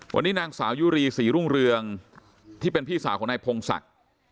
วันนี้นางสาวยุรีศรีรุ่งเรืองที่เป็นพี่สาวของนายพงศักดิ์